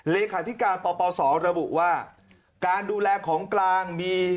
เลขาธิการปปศระบุว่าการดูแลของกลางมี